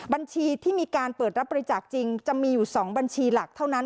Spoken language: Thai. บัญชีที่มีการเปิดรับบริจาคจริงจะมีอยู่๒บัญชีหลักเท่านั้น